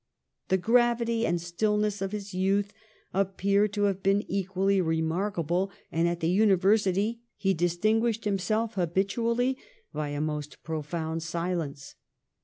The gravity and stillness of his youth appear to have been equally remarkable, and at the university he distinguished himself habitually by a most profound silence.